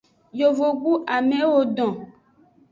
Yovogbu amewo don.